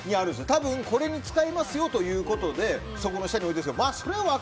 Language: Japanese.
多分、これに使いますよということでそこの下に置いているんですけどま